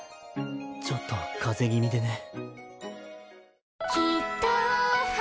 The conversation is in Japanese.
ちょっと風邪気味でね。